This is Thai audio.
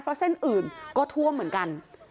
เพราะเส้นอื่นก็ท่วมเหมือนกัน